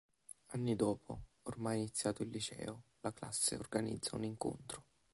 Anni dopo, ormai iniziato il liceo, la classe organizza un incontro.